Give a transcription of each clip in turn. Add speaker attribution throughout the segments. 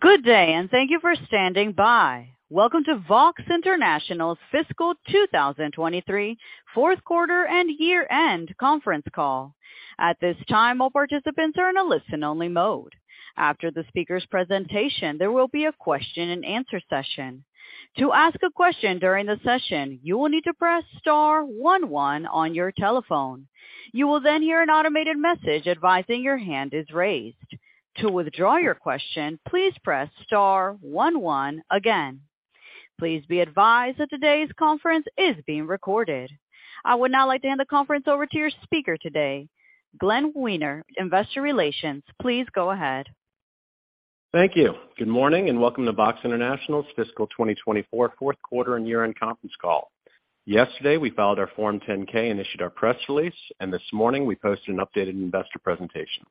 Speaker 1: Good day, and thank you for standing by. Welcome to VOXX International's Fiscal 2023 fourth quarter and year-end conference call. At this time, all participants are in a listen-only mode. After the speaker's presentation, there will be a question-and-answer session. To ask a question during the session, you will need to press star one one on your telephone. You will then hear an automated message advising your hand is raised. To withdraw your question, please press star one one again. Please be advised that today's conference is being recorded. I would now like to hand the conference over to your speaker today, Glenn Wiener, Investor Relations. Please go ahead.
Speaker 2: Thank you. Good morning, and welcome to VOXX International's Fiscal 2024 fourth quarter and year-end conference call. Yesterday, we filed our Form 10-K and issued our press release, and this morning, we posted an updated investor presentation.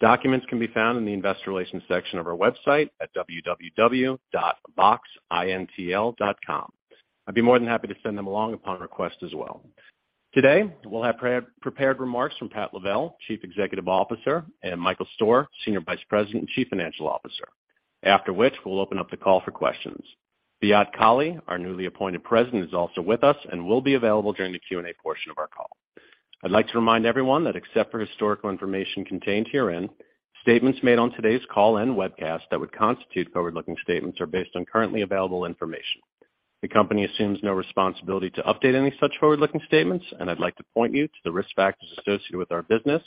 Speaker 2: Documents can be found in the investor relations section of our website at voxxintl.com. I'd be more than happy to send them along upon request as well. Today, we'll have pre-prepared remarks from Pat Lavelle, Chief Executive Officer, and Michael Stoehr, Senior Vice President and Chief Financial Officer. After which, we'll open up the call for questions. Patrick Lavelle, our newly appointed President, is also with us and will be available during the Q&A portion of our call. I'd like to remind everyone that except for historical information contained herein, statements made on today's call and webcast that would constitute forward-looking statements are based on currently available information. The company assumes no responsibility to update any such forward-looking statements. I'd like to point you to the risk factors associated with our business,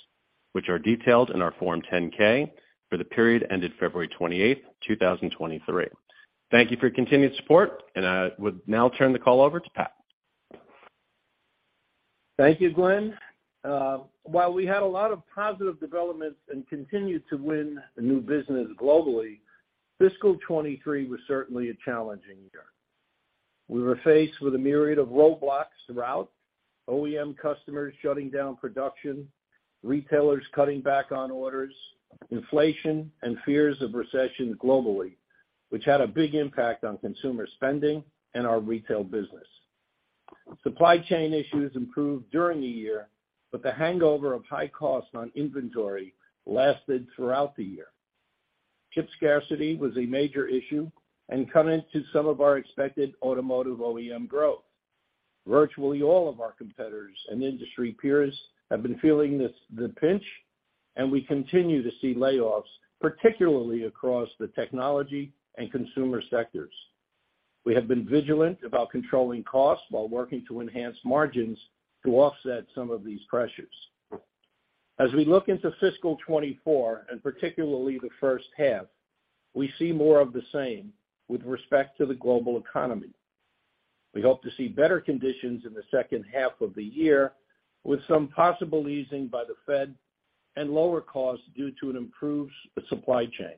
Speaker 2: which are detailed in our Form 10-K for the period ended February 28, 2023. Thank you for your continued support. I would now turn the call over to Pat.
Speaker 3: Thank you, Glenn. While we had a lot of positive developments and continued to win new business globally, fiscal 2023 was certainly a challenging year. We were faced with a myriad of roadblocks throughout, OEM customers shutting down production, retailers cutting back on orders, inflation and fears of recession globally, which had a big impact on consumer spending and our retail business. Supply chain issues improved during the year, but the hangover of high costs on inventory lasted throughout the year. Chip scarcity was a major issue and cut into some of our expected automotive OEM growth. Virtually all of our competitors and industry peers have been feeling the pinch, and we continue to see layoffs, particularly across the technology and consumer sectors. We have been vigilant about controlling costs while working to enhance margins to offset some of these pressures. As we look into fiscal 2024, and particularly the first half, we see more of the same with respect to the global economy. We hope to see better conditions in the second half of the year, with some possible easing by the Fed and lower costs due to an improved supply chain.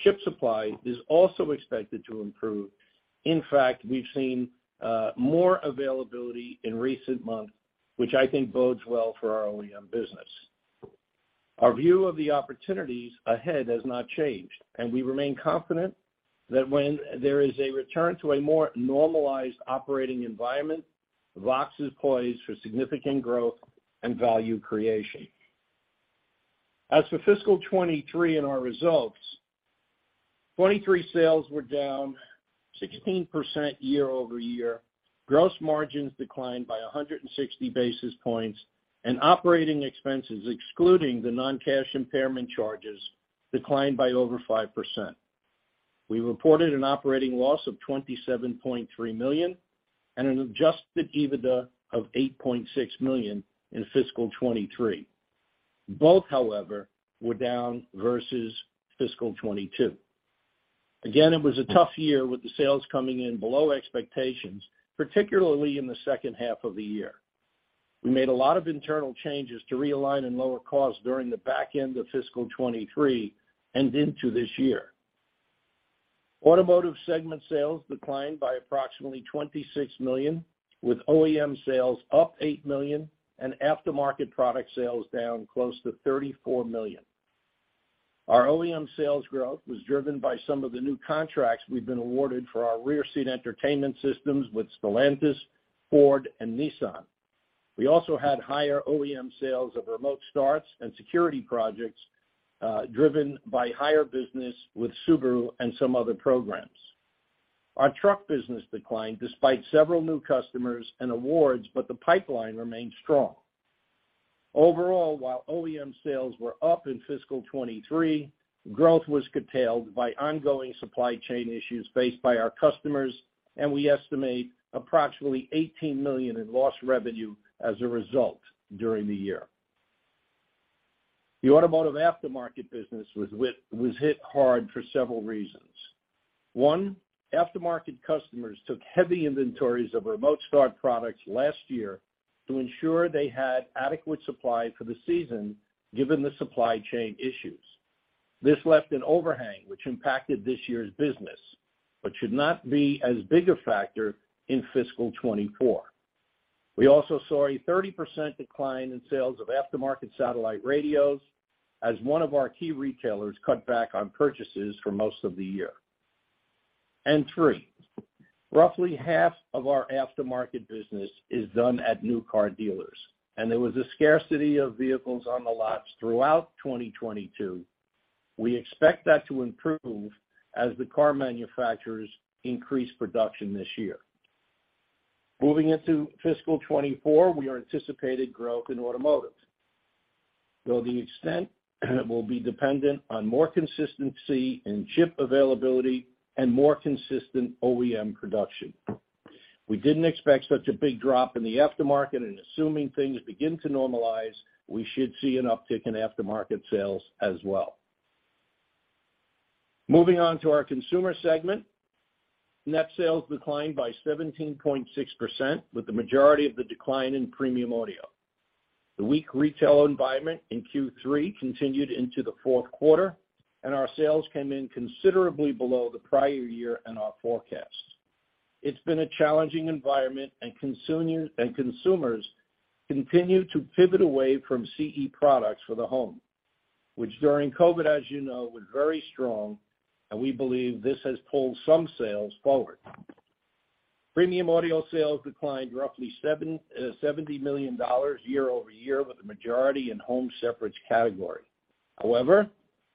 Speaker 3: Chip supply is also expected to improve. In fact, we've seen more availability in recent months, which I think bodes well for our OEM business. Our view of the opportunities ahead has not changed, and we remain confident that when there is a return to a more normalized operating environment, VOXX is poised for significant growth and value creation. As for fiscal 2023 and our results, 2023 sales were down 16% year-over-year. Gross margins declined by 160 basis points, and operating expenses, excluding the non-cash impairment charges, declined by over 5%. We reported an operating loss of $27.3 million and an Adjusted EBITDA of $8.6 million in fiscal 2023. Both, however, were down vs fiscal 2022. It was a tough year with the sales coming in below expectations, particularly in the second half of the year. We made a lot of internal changes to realign and lower costs during the back end of fiscal 2023 and into this year. Automotive segment sales declined by approximately $26 million, with OEM sales up $8 million and aftermarket product sales down close to $34 million. Our OEM sales growth was driven by some of the new contracts we've been awarded for our rear-seat entertainment systems with Stellantis, Ford, and Nissan. We also had higher OEM sales of remote starts and security projects, driven by higher business with Subaru and some other programs. Our truck business declined despite several new customers and awards. The pipeline remains strong. Overall, while OEM sales were up in fiscal 23, growth was curtailed by ongoing supply chain issues faced by our customers, and we estimate approximately $18 million in lost revenue as a result during the year. The automotive aftermarket business was hit hard for several reasons. One, aftermarket customers took heavy inventories of remote start products last year to ensure they had adequate supply for the season, given the supply chain issues. This left an overhang which impacted this year's business but should not be as big a factor in fiscal 2024. We also saw a 30% decline in sales of aftermarket satellite radios as one of our key retailers cut back on purchases for most of the year. Three, roughly half of our aftermarket business is done at new car dealers, and there was a scarcity of vehicles on the lots throughout 2022. We expect that to improve as the car manufacturers increase production this year. Moving into fiscal 2024, we are anticipating growth in automotive, though the extent will be dependent on more consistency in chip availability and more consistent OEM production. We didn't expect such a big drop in the aftermarket, and assuming things begin to normalize, we should see an uptick in aftermarket sales as well. Moving on to our consumer segment. Net sales declined by 17.6%, with the majority of the decline in premium audio. The weak retail environment in Q3 continued into the fourth quarter. Our sales came in considerably below the prior year and our forecast. It's been a challenging environment and consumers continue to pivot away from CE products for the home, which during COVID, as you know, was very strong. We believe this has pulled some sales forward. Premium audio sales declined roughly $70 million year-over-year, with the majority in home separates category. However,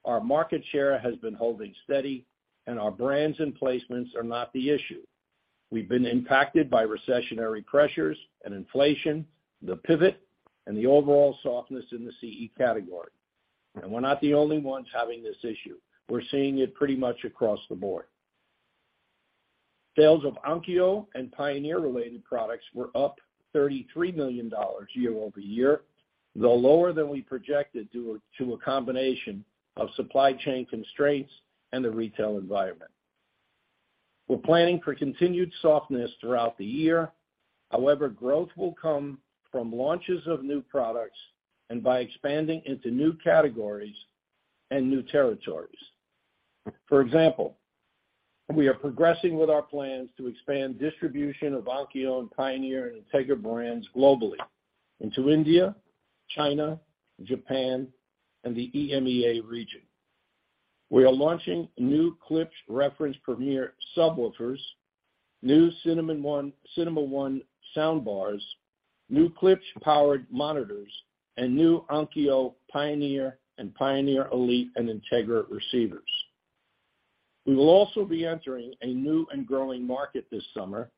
Speaker 3: our market share has been holding steady and our brands and placements are not the issue. We've been impacted by recessionary pressures and inflation, the pivot and the overall softness in the CE category. We're not the only ones having this issue. We're seeing it pretty much across the board. Sales of Onkyo and Pioneer-related products were up $33 million year-over-year, though lower than we projected due to a combination of supply chain constraints and the retail environment. We're planning for continued softness throughout the year. Growth will come from launches of new products and by expanding into new categories and new territories. For example, we are progressing with our plans to expand distribution of Onkyo and Pioneer and Integra brands globally into India, China, Japan, and the EMEA region. We are launching new Klipsch Reference Premiere subwoofers, new Cinema One, Cinema One sound bars, new Klipsch powered monitors, and new Onkyo, Pioneer and Pioneer Elite and Integra receivers. We will also be entering a new and growing market this summer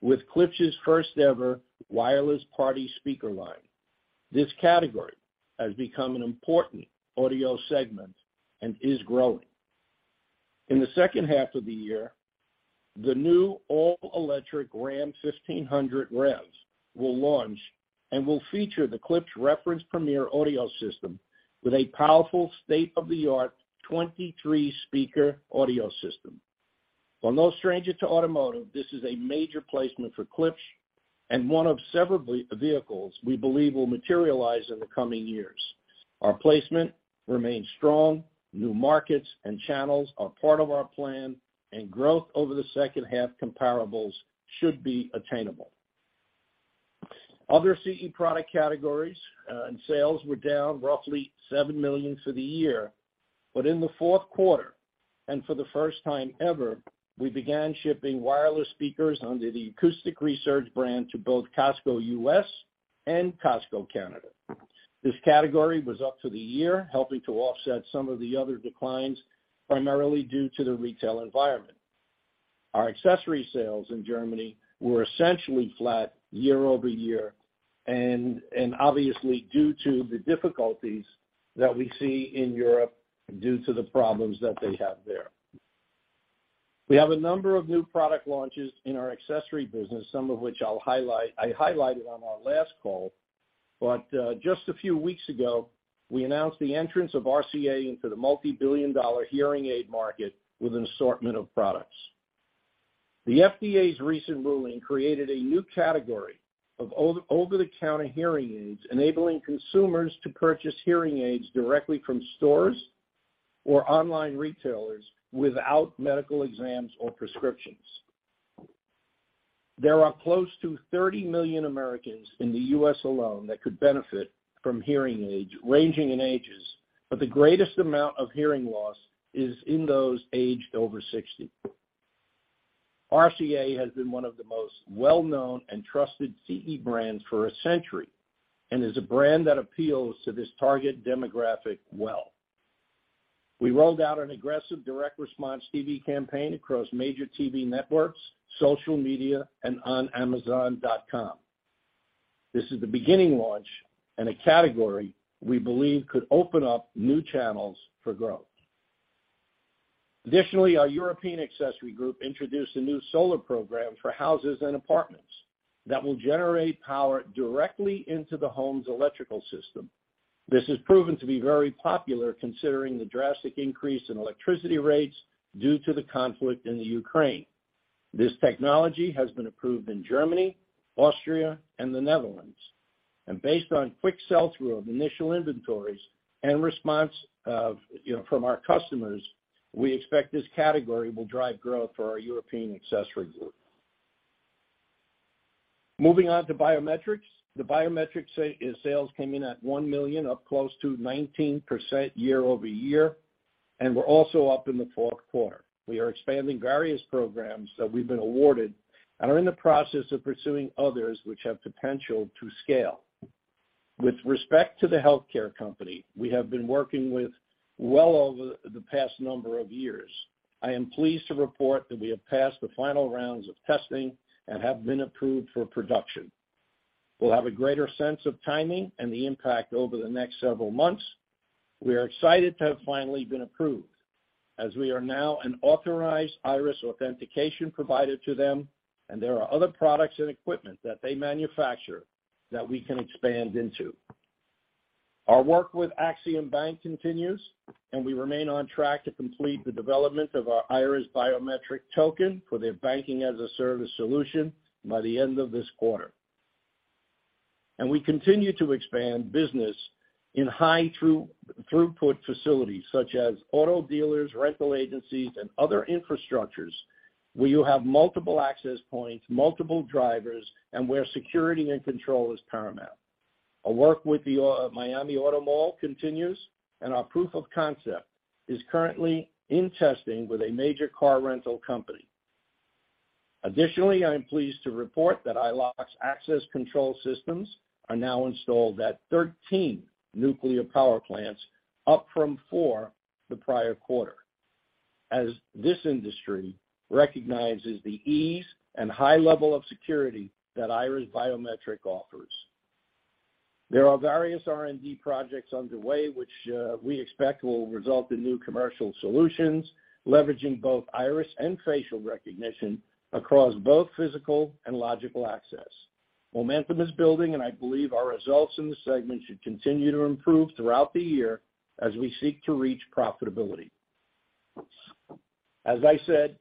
Speaker 3: with Klipsch's first ever wireless party speaker line. This category has become an important audio segment and is growing. In the second half of the year, the new all-electric Ram 1500 REV will launch and will feature the Klipsch Reference Premiere audio system with a powerful, state-of-the-art 23 speaker audio system. While no stranger to automotive, this is a major placement for Klipsch and one of several vehicles we believe will materialize in the coming years. Our placement remains strong. New markets and channels are part of our plan. Growth over the second half comparables should be attainable. Other CE product categories, sales were down roughly $7 million for the year. In the fourth quarter, and for the first time ever, we began shipping wireless speakers under the Acoustic Research brand to both Costco U.S. and Costco Canada. This category was up for the year, helping to offset some of the other declines, primarily due to the retail environment. Our accessory sales in Germany were essentially flat year-over-year. And obviously, due to the difficulties that we see in Europe due to the problems that they have there. We have a number of new product launches in our accessory business, some of which I highlighted on our last call. Just a few weeks ago, we announced the entrance of RCA into the multi-billion dollar hearing aid market with an assortment of products. The FDA's recent ruling created a new category of over-the-counter hearing aids, enabling consumers to purchase hearing aids directly from stores or online retailers without medical exams or prescriptions. There are close to 30 million Americans in the U.S. alone that could benefit from hearing aids ranging in ages, but the greatest amount of hearing loss is in those aged over 60. RCA has been one of the most well-known and trusted CE brands for a century and is a brand that appeals to this target demographic well. We rolled out an aggressive direct response TV campaign across major TV networks, social media, and on amazon.com. This is the beginning launch and a category we believe could open up new channels for growth. Additionally, our European accessory group introduced a new solar program for houses and apartments that will generate power directly into the home's electrical system. This has proven to be very popular considering the drastic increase in electricity rates due to the conflict in Ukraine. This technology has been approved in Germany, Austria, and the Netherlands. Based on quick sell-through of initial inventories and response of, you know, from our customers, we expect this category will drive growth for our European accessory group. Moving on to biometrics. The biometrics sales came in at $1 million, up close to 19% year-over-year. We're also up in the fourth quarter. We are expanding various programs that we've been awarded and are in the process of pursuing others which have potential to scale. With respect to the healthcare company we have been working with well over the past number of years, I am pleased to report that we have passed the final rounds of testing and have been approved for production. We'll have a greater sense of timing and the impact over the next several months. We are excited to have finally been approved as we are now an authorized iris authentication provider to them. There are other products and equipment that they manufacture that we can expand into. Our work with Axiom Bank continues, and we remain on track to complete the development of our iris biometric token for their banking-as-a-service solution by the end of this quarter. We continue to expand business in high through-throughput facilities such as auto dealers, rental agencies, and other infrastructures where you have multiple access points, multiple drivers, and where security and control is paramount. Our work with the Miami Auto Mall continues, and our proof of concept is currently in testing with a major car rental company. Additionally, I am pleased to report that iLOQ's access control systems are now installed at 13 nuclear power plants, up from four the prior quarter, as this industry recognizes the ease and high level of security that iris biometric offers. There are various R&D projects underway which we expect will result in new commercial solutions, leveraging both iris and facial recognition across both physical and logical access. Momentum is building. I believe our results in this segment should continue to improve throughout the year as we seek to reach profitability. As I said,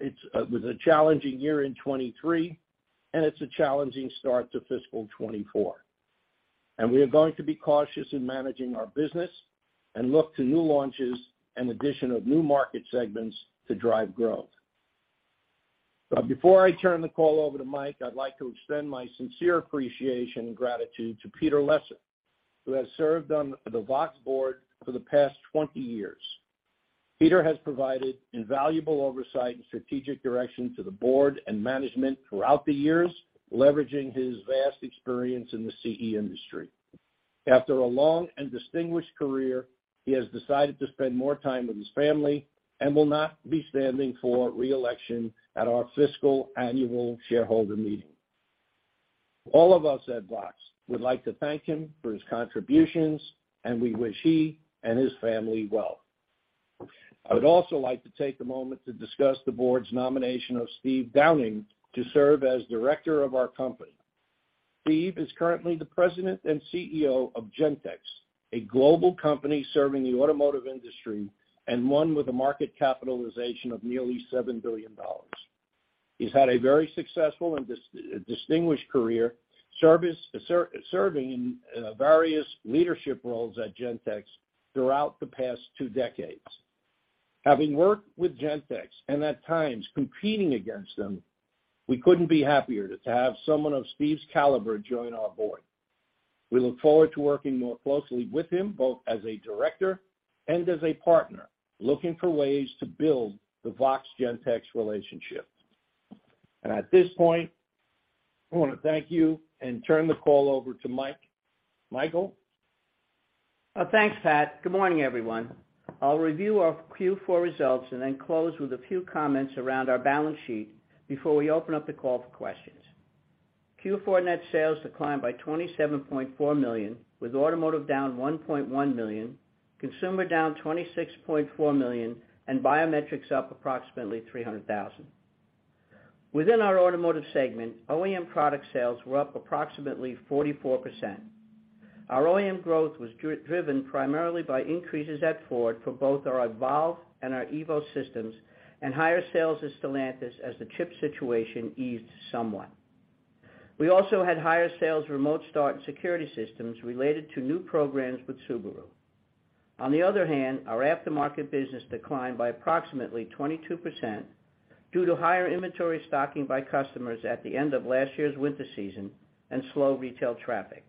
Speaker 3: it was a challenging year in 2023. It's a challenging start to fiscal 2024. We are going to be cautious in managing our business and look to new launches and addition of new market segments to drive growth. Before I turn the call over to Mike, I'd like to extend my sincere appreciation and gratitude to Peter Lesser, who has served on the VOXX board for the past 20 years. Peter has provided invaluable oversight and strategic direction to the board and management throughout the years, leveraging his vast experience in the CE industry. After a long and distinguished career, he has decided to spend more time with his family and will not be standing for re-election at our fiscal annual shareholder meeting. All of us at VOXX would like to thank him for his contributions, and we wish he and his family well. I would also like to take a moment to discuss the board's nomination of Steve Downing to serve as director of our company. Steve is currently the president and CEO of Gentex, a global company serving the automotive industry and one with a market capitalization of nearly $7 billion. He's had a very successful and distinguished career, serving in various leadership roles at Gentex throughout the past two decades. Having worked with Gentex, and at times competing against them, we couldn't be happier to have someone of Steve's caliber join our board. We look forward to working more closely with him, both as a director and as a partner, looking for ways to build the VOXX-Gentex relationship. At this point, I want to thank you and turn the call over to Mike. Michael?
Speaker 4: Thanks, Pat. Good morning, everyone. I'll review our Q4 results and then close with a few comments around our balance sheet before we open up the call for questions. Q4 net sales declined by $27.4 million, with automotive down $1.1 million, consumer down $26.4 million, and biometrics up approximately $300,000. Within our automotive segment, OEM product sales were up approximately 44%. Our OEM growth was driven primarily by increases at Ford for both our eVolve and our EVO systems and higher sales at Stellantis as the chip situation eased somewhat. We also had higher sales of remote start and security systems related to new programs with Subaru. On the other hand, our aftermarket business declined by approximately 22% due to higher inventory stocking by customers at the end of last year's winter season and slow retail traffic.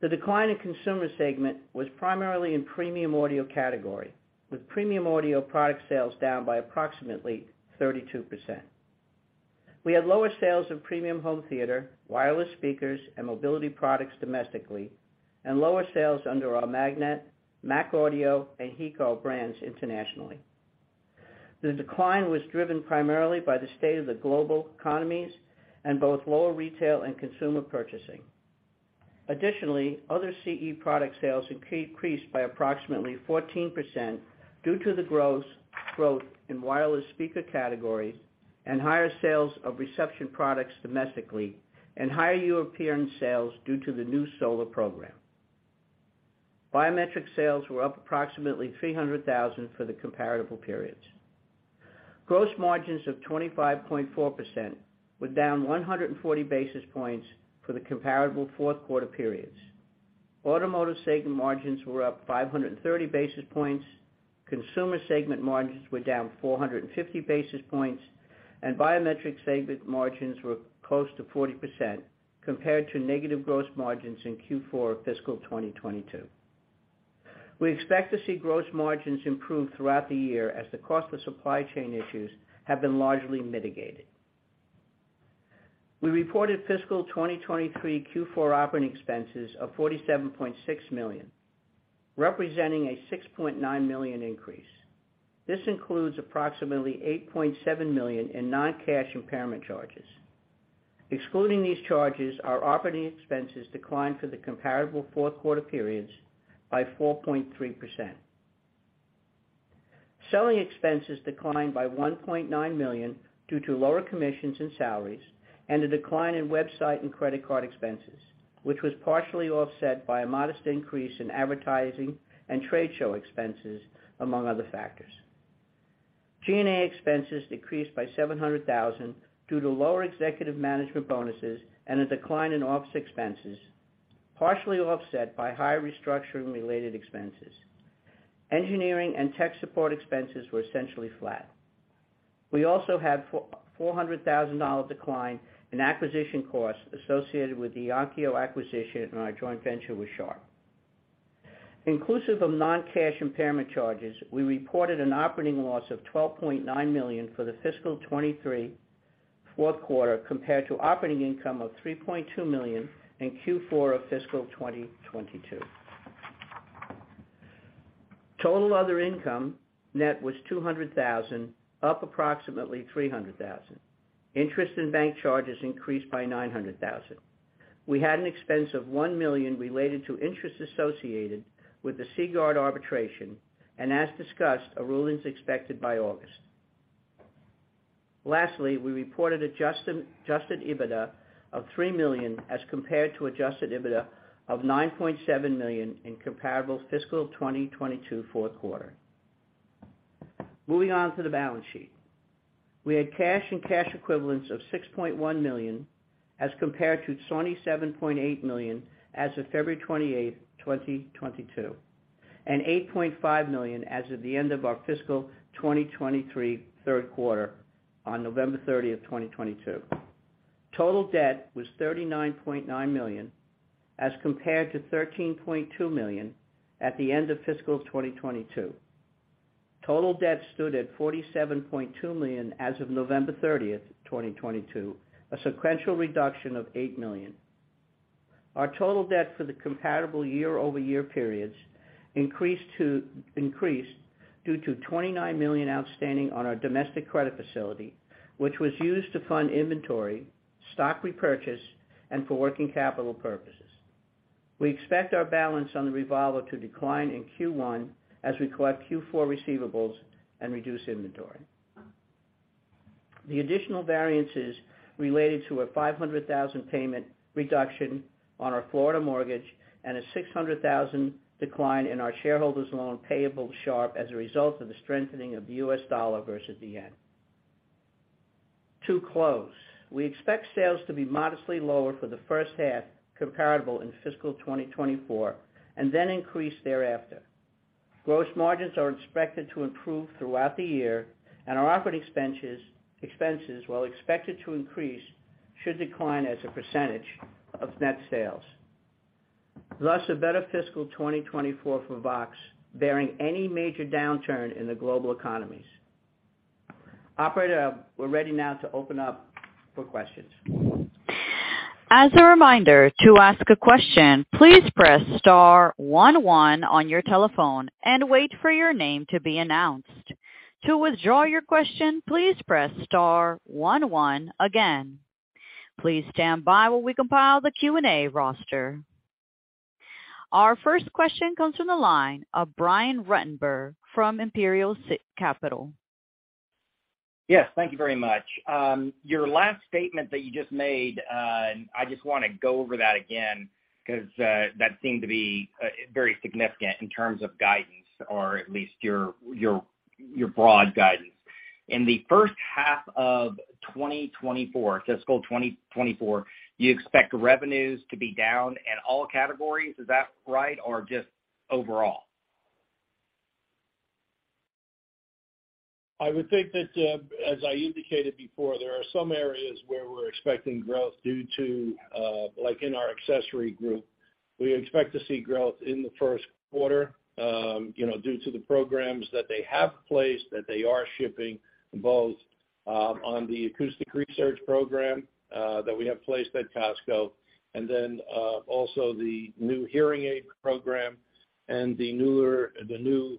Speaker 4: The decline in consumer segment was primarily in premium audio category, with premium audio product sales down by approximately 32%. We had lower sales of premium home theater, wireless speakers, and mobility products domestically and lower sales under our Magnat, Mac Audio, and HECO brands internationally. The decline was driven primarily by the state of the global economies and both lower retail and consumer purchasing. Other CE product sales increased by approximately 14% due to the growth in wireless speaker categories and higher sales of reception products domestically and higher European sales due to the new solar program. Biometric sales were up approximately $300,000 for the comparable periods. Gross margins of 25.4% were down 140 basis points for the comparable fourth quarter periods. Automotive segment margins were up 530 basis points. Consumer segment margins were down 450 basis points, and biometrics segment margins were close to 40% compared to negative gross margins in Q4 fiscal 2022. We expect to see gross margins improve throughout the year as the cost of supply chain issues have been largely mitigated. We reported fiscal 2023 Q4 operating expenses of $47.6 million, representing a $6.9 million increase. This includes approximately $8.7 million in non-cash impairment charges. Excluding these charges, our operating expenses declined for the comparable fourth quarter periods by 4.3%. Selling expenses declined by $1.9 million due to lower commissions and salaries, and a decline in website and credit card expenses, which was partially offset by a modest increase in advertising and trade show expenses, among other factors. G&A expenses decreased by $700,000 due to lower executive management bonuses and a decline in office expenses, partially offset by higher restructuring-related expenses. Engineering and tech support expenses were essentially flat. We also had $400,000 decline in acquisition costs associated with the Onkyo acquisition and our joint venture with Sharp. Inclusive of non-cash impairment charges, we reported an operating loss of $12.9 million for the fiscal 2023 fourth quarter, compared to operating income of $3.2 million in Q4 of fiscal 2022. Total other income net was $200,000, up approximately $300,000. Interest in bank charges increased by $900,000. We had an expense of $1 million related to interest associated with the Seaguard arbitration, and as discussed, a ruling is expected by August. We reported adjusted EBITDA of $3 million as compared to adjusted EBITDA of $9.7 million in comparable fiscal 2022 fourth quarter. Moving on to the balance sheet. We had cash and cash equivalents of $6.1 million as compared to $27.8 million as of February 28th, 2022, and $8.5 million as of the end of our fiscal 2023 third quarter on November 30th, 2022. Total debt was $39.9 million as compared to $13.2 million at the end of fiscal 2022. Total debt stood at $47.2 million as of November 30th, 2022, a sequential reduction of $8 million. Our total debt for the comparable year-over-year periods increased due to $29 million outstanding on our domestic credit facility, which was used to fund inventory, stock repurchase, and for working capital purposes. We expect our balance on the revolver to decline in Q1 as we collect Q4 receivables and reduce inventory. The additional variances related to a $500,000 payment reduction on our Florida mortgage and a $600,000 decline in our shareholders loan payable Sharp as a result of the strengthening of the U.S. dollar vs the yen. To close, we expect sales to be modestly lower for the first half, comparable in fiscal 2024, and then increase thereafter. Gross margins are expected to improve throughout the year, and our operating expenses, while expected to increase, should decline as a percentage of net sales. Thus, a better fiscal 2024 for VOXX, bearing any major downturn in the global economies. Operator, we're ready now to open up for questions.
Speaker 1: As a reminder, to ask a question, please press star one one on your telephone and wait for your name to be announced. To withdraw your question, please press star one one again. Please stand by while we compile the Q&A roster. Our first question comes from the line of Brian Ruttenbur from Imperial Capital.
Speaker 5: Yes, thank you very much. Your last statement that you just made, I just wanna go over that again because that seemed to be very significant in terms of guidance or at least your broad guidance. In the first half of 2024, fiscal 2024, you expect revenues to be down at all categories. Is that right, or just overall?
Speaker 4: I would think that, as I indicated before, there are some areas where we're expecting growth due to, like in our accessory group. We expect to see growth in the first quarter, you know, due to the programs that they have placed, that they are shipping, both, on the Acoustic Research program, that we have placed at Costco, and then, also the new hearing aid program and the new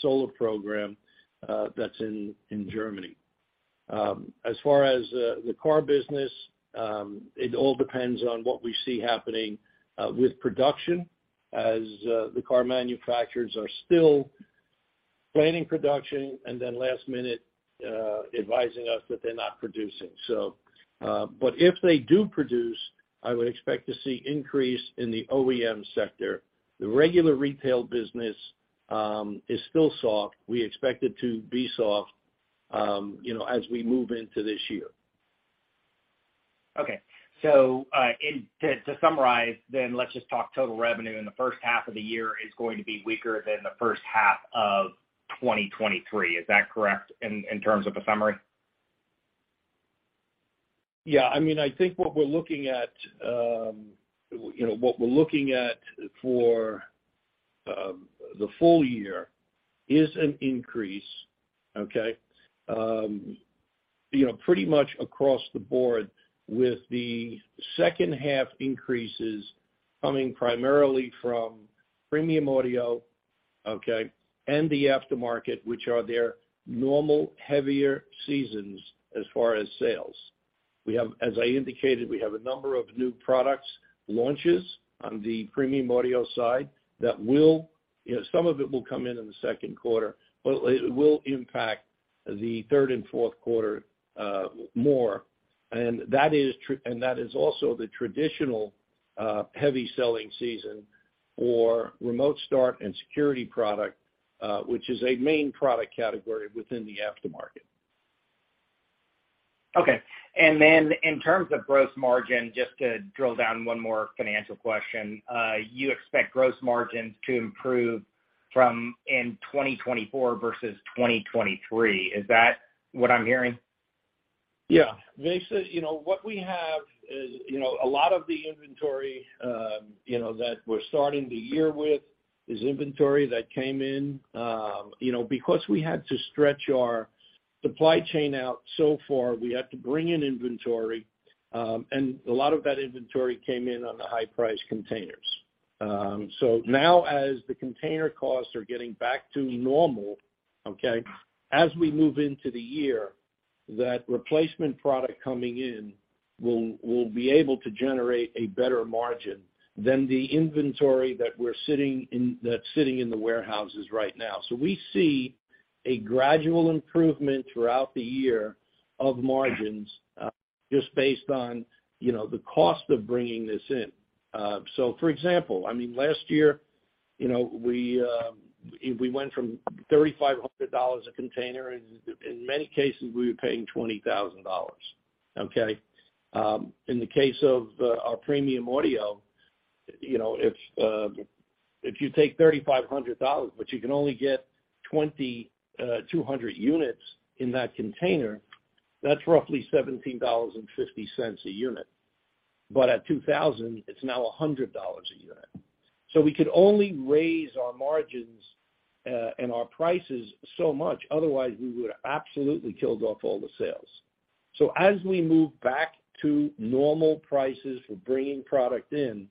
Speaker 4: solar program, that's in Germany. As far as the car business, it all depends on what we see happening with production as the car manufacturers are still planning production and then last minute, advising us that they're not producing. If they do produce, I would expect to see increase in the OEM sector. The regular retail business, is still soft. We expect it to be soft, you know, as we move into this year.
Speaker 5: Okay. To summarize, let's just talk total revenue in the first half of the year is going to be weaker than the first half of 2023. Is that correct in terms of a summary?
Speaker 3: I mean, I think what we're looking at, you know, what we're looking at for the full year is an increase, okay, you know, pretty much across the board with the second half increases coming primarily from premium audio, okay, and the aftermarket, which are their normal heavier seasons as far as sales. As I indicated, we have a number of new products launches on the premium audio side that will, you know, some of it will come in in the second quarter, but it will impact the third and fourth quarter more. That is also the traditional heavy selling season for remote start and security product, which is a main product category within the aftermarket.
Speaker 5: Okay. Then in terms of gross margin, just to drill down one more financial question, you expect gross margins to improve from in 2024 vs 2023. Is that what I'm hearing?
Speaker 3: Yeah. Basically, you know, what we have is, you know, a lot of the inventory, you know, that we're starting the year with is inventory that came in, you know, because we had to stretch our supply chain out so far, we had to bring in inventory. A lot of that inventory came in on the high price containers. Now as the container costs are getting back to normal, as we move into the year, that replacement product coming in will be able to generate a better margin than the inventory that's sitting in the warehouses right now. We see a gradual improvement throughout the year of margins, just based on, you know, the cost of bringing this in. For example, I mean, last year, you know, we went from $3,500 a container. In many cases, we were paying $20,000, okay? In the case of our premium audio, you know, if you take $3,500, but you can only get 200 units in that container, that's roughly $17.50 a unit. But at $2,000, it's now $100 a unit. We could only raise our margins and our prices so much, otherwise, we would have absolutely killed off all the sales. As we move back to normal prices for bringing product in,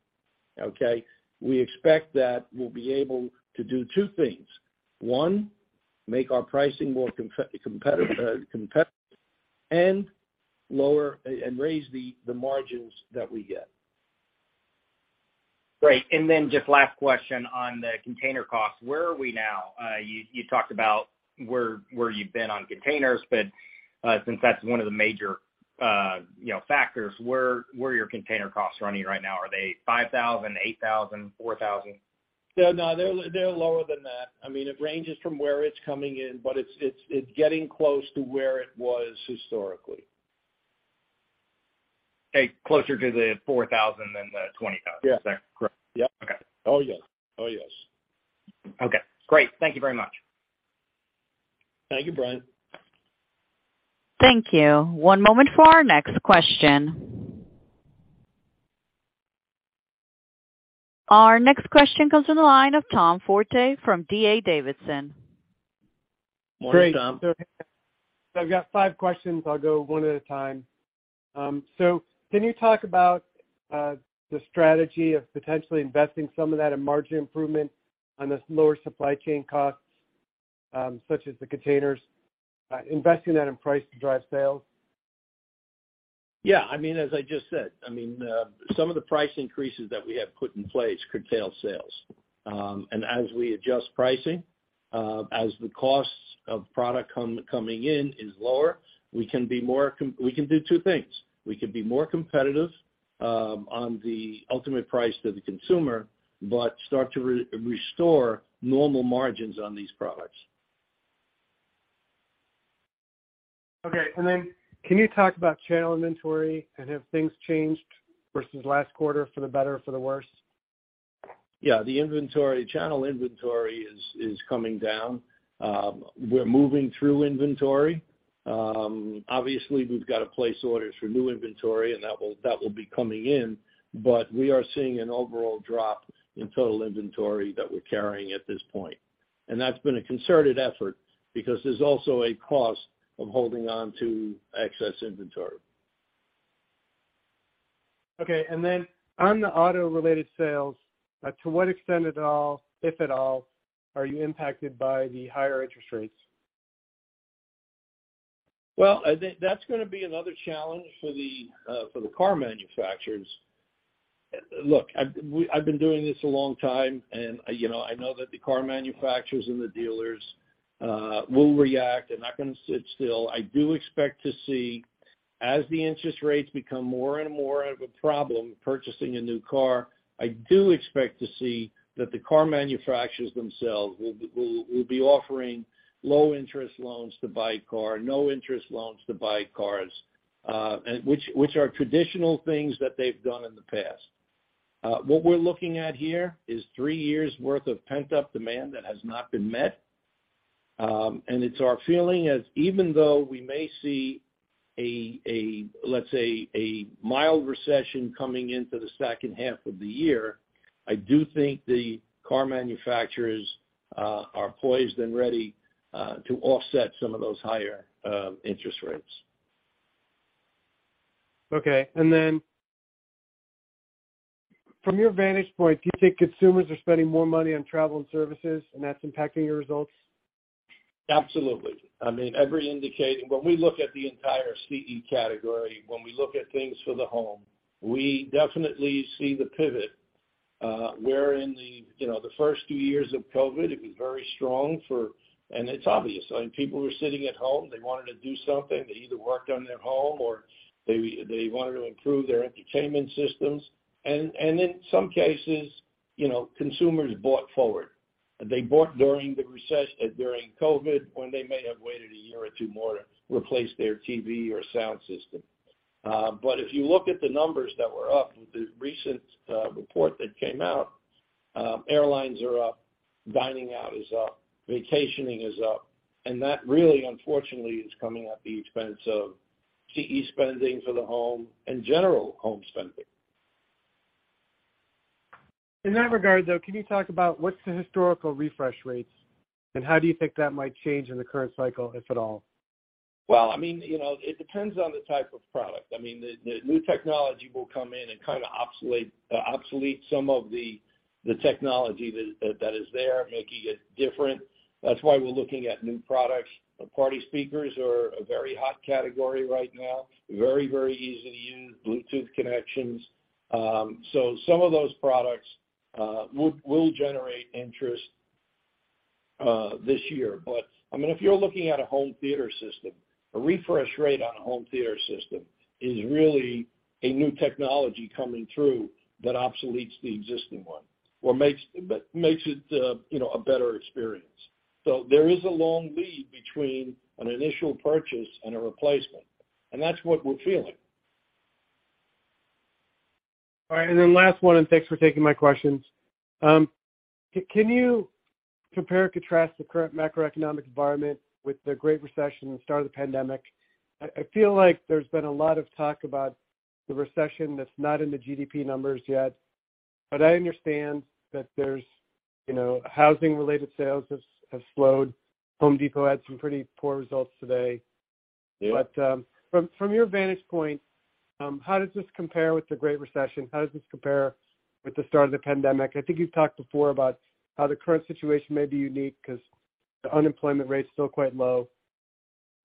Speaker 3: okay, we expect that we'll be able to do two things. One, make our pricing more competitive and raise the margins that we get.
Speaker 5: Great. Then just last question on the container costs. Where are we now? You talked about where you've been on containers, since that's one of the major, you know, factors, where are your container costs running right now? Are they $5,000, $8,000, $4,000?
Speaker 3: No, no, they're lower than that. I mean, it ranges from where it's coming in, but it's, it's getting close to where it was historically.
Speaker 5: Okay, closer to the $4,000 than the $20,000.
Speaker 3: Yeah.
Speaker 5: Is that correct?
Speaker 3: Yeah.
Speaker 5: Okay.
Speaker 3: Oh, yes. Oh, yes.
Speaker 5: Okay, great. Thank you very much.
Speaker 3: Thank you, Brian.
Speaker 1: Thank you. One moment for our next question. Our next question comes from the line of Tom Forte from D.A. Davidson.
Speaker 3: Morning, Tom.
Speaker 6: Great. I've got five questions. I'll go one at a time. Can you talk about the strategy of potentially investing some of that in margin improvement on this lower supply chain costs, such as the containers, investing that in price to drive sales?
Speaker 3: I mean, as I just said, I mean, some of the price increases that we have put in place curtail sales. As we adjust pricing, as the costs of product coming in is lower, we can do two things. We can be more competitive on the ultimate price to the consumer, but start to re-restore normal margins on these products.
Speaker 6: Okay. can you talk about channel inventory and have things changed vs last quarter for the better or for the worse?
Speaker 3: Yeah. The inventory, channel inventory is coming down. We're moving through inventory. Obviously we've got to place orders for new inventory and that will be coming in, but we are seeing an overall drop in total inventory that we're carrying at this point. That's been a concerted effort because there's also a cost of holding on to excess inventory.
Speaker 6: Okay. On the auto-related sales, to what extent at all, if at all, are you impacted by the higher interest rates?
Speaker 3: I think that's gonna be another challenge for the car manufacturers. Look, I've been doing this a long time and, you know, I know that the car manufacturers and the dealers will react. They're not gonna sit still. I do expect to see as the interest rates become more and more of a problem purchasing a new car, I do expect to see that the car manufacturers themselves will be offering low interest loans to buy a car, no interest loans to buy cars, which are traditional things that they've done in the past. What we're looking at here is three years worth of pent-up demand that has not been met. It's our feeling as even though we may see a let's say, a mild recession coming into the second half of the year, I do think the car manufacturers are poised and ready to offset some of those higher interest rates.
Speaker 6: Okay. Then from your vantage point, do you think consumers are spending more money on travel and services, and that's impacting your results?
Speaker 3: Absolutely. I mean, every indicator. When we look at the entire CE category, when we look at things for the home, we definitely see the pivot, where in the, you know, the first few years of COVID, it was very strong for. It's obvious. I mean, people were sitting at home, they wanted to do something. They either worked on their home or they wanted to improve their entertainment systems. In some cases, you know, consumers bought forward. They bought during COVID, when they may have waited a year or two more to replace their TV or sound system. If you look at the numbers that were up with the recent report that came out, airlines are up, dining out is up, vacationing is up. That really, unfortunately, is coming at the expense of CE spending for the home and general home spending.
Speaker 6: In that regard, though, can you talk about what's the historical refresh rates, and how do you think that might change in the current cycle, if at all?
Speaker 3: I mean, you know, it depends on the type of product. I mean, the new technology will come in and kinda obsolete some of the technology that is there, making it different. That's why we're looking at new products. Party speakers are a very hot category right now. Very, very easy to use, Bluetooth connections. Some of those products will generate interest this year. I mean, if you're looking at a home theater system, a refresh rate on a home theater system is really a new technology coming through that obsoletes the existing one or makes, but makes it, you know, a better experience. There is a long lead between an initial purchase and a replacement, and that's what we're feeling.
Speaker 6: All right. Last one. Thanks for taking my questions. Can you compare and contrast the current macroeconomic environment with the Great Recession and the start of the pandemic? I feel like there's been a lot of talk about the recession that's not in the GDP numbers yet, but I understand that there's, you know, housing-related sales has slowed. Home Depot had some pretty poor results today.
Speaker 3: Yeah.
Speaker 6: From your vantage point, how does this compare with the Great Recession? How does this compare with the start of the pandemic? I think you've talked before about how the current situation may be unique 'cause the unemployment rate is still quite low.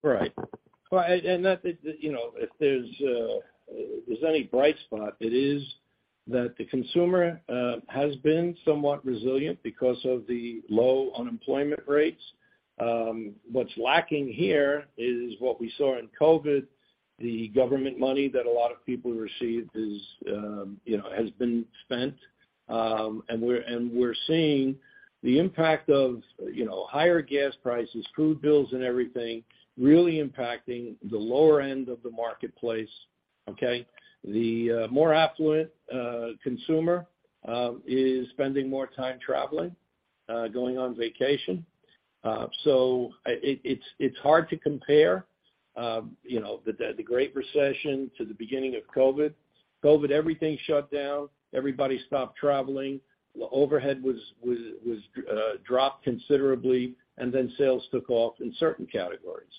Speaker 3: Right. Well, and that, you know, if there's any bright spot, it is that the consumer has been somewhat resilient because of the low unemployment rates. What's lacking here is what we saw in COVID, the government money that a lot of people received is, you know, has been spent. We're seeing the impact of, you know, higher gas prices, food bills and everything really impacting the lower end of the marketplace, okay? The more affluent consumer is spending more time traveling, going on vacation. It, it's hard to compare, you know, the Great Recession to the beginning of COVID. COVID, everything shut down. Everybody stopped traveling. Overhead was dropped considerably, and then sales took off in certain categories.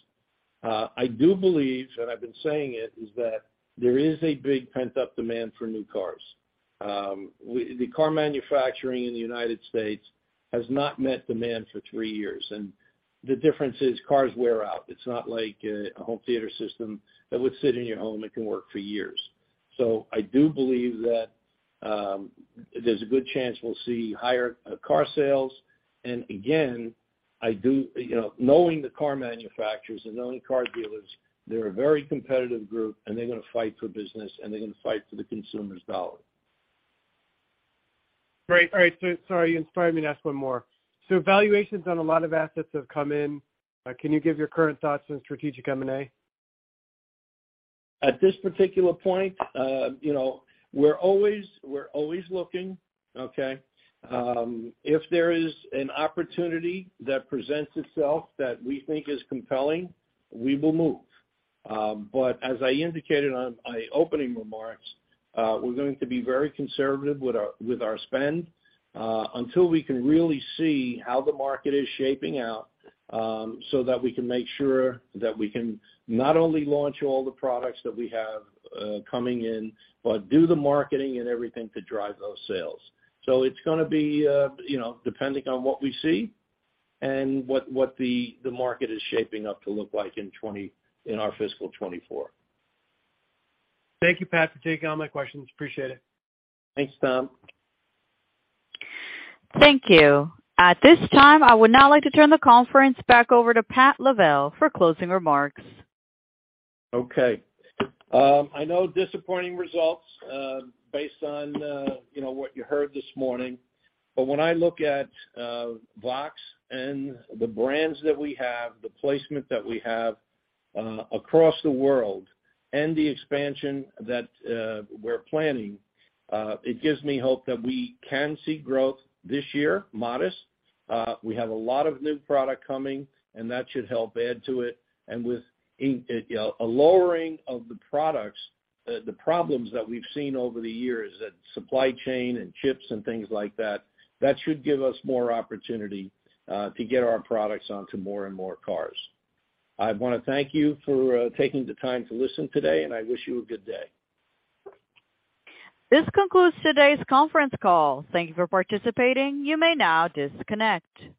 Speaker 3: I do believe, and I've been saying it, is that there is a big pent-up demand for new cars. The car manufacturing in the United States has not met demand for three years, and the difference is cars wear out. It's not like a home theater system that would sit in your home and can work for years. I do believe that there's a good chance we'll see higher car sales. Again, you know, knowing the car manufacturers and knowing car dealers, they're a very competitive group, and they're gonna fight for business, and they're gonna fight for the consumer's dollar.
Speaker 6: Great. All right, sorry, you inspired me to ask one more. Valuations on a lot of assets have come in. Can you give your current thoughts on strategic M&A?
Speaker 3: At this particular point, you know, we're always looking, okay? If there is an opportunity that presents itself that we think is compelling, we will move. As I indicated on my opening remarks, we're going to be very conservative with our spend until we can really see how the market is shaping out, so that we can make sure that we can not only launch all the products that we have coming in, but do the marketing and everything to drive those sales. It's gonna be, you know, depending on what we see and what the market is shaping up to look like in our fiscal 2024.
Speaker 6: Thank you, Pat, for taking all my questions. Appreciate it.
Speaker 3: Thanks, Tom.
Speaker 1: Thank you. At this time, I would now like to turn the conference back over to Patrick Lavelle for closing remarks.
Speaker 3: Okay. I know disappointing results, based on, you know, what you heard this morning. When I look at VOXX and the brands that we have, the placement that we have, across the world, and the expansion that we're planning, it gives me hope that we can see growth this year, modest. We have a lot of new product coming, that should help add to it. With, you know, a lowering of the products, the problems that we've seen over the years, that supply chain and chips and things like that should give us more opportunity to get our products onto more and more cars. I wanna thank you for taking the time to listen today, and I wish you a good day.
Speaker 1: This concludes today's conference call. Thank you for participating. You may now disconnect.